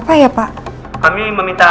aku sekarang sudah ke putri ini